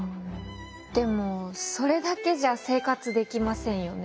でもそれだけじゃ生活できませんよね。